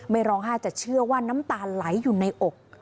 ไม่ร้องไห้แต่เชื่อว่าน้ำตาลไหลอยู่ในอก